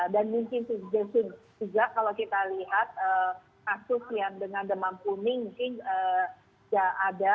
dan mungkin juga kalau kita lihat kasus yang dengan demam kuning mungkin tidak ada